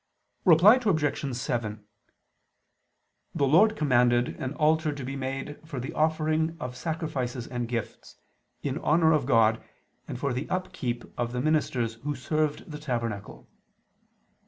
Reply Obj. 7: The Lord commanded an altar to be made for the offering of sacrifices and gifts, in honor of God, and for the upkeep of the ministers who served the tabernacle.